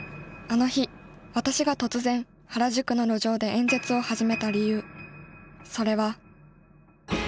あの日私が突然原宿の路上で演説を始めた理由。